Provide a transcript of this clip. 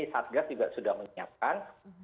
satgas juga sudah menyiapkan